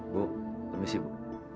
bu permisi bu